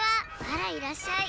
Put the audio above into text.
「あらいらっしゃい」。